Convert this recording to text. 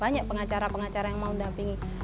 banyak pengacara pengacara yang mau mendampingi